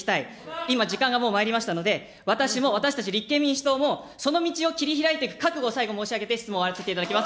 今、時間がもう参りましたので、私も、私たち立憲民主党も、その道を切りひらいていく覚悟、最後申し上げて質問を終わらせていただきます。